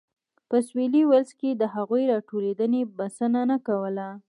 په سوېلي ویلز کې د هغوی راټولېدنې بسنه نه کوله.